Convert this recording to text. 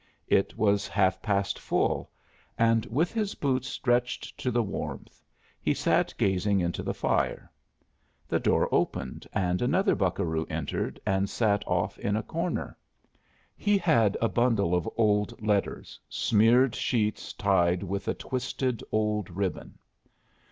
It was Half past Full, and with his boots stretched to the warmth, he sat gazing into the fire. The door opened and another buckaroo entered and sat off in a corner. He had a bundle of old letters, smeared sheets tied trite a twisted old ribbon.